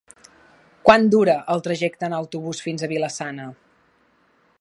Quant dura el trajecte en autobús fins a Vila-sana?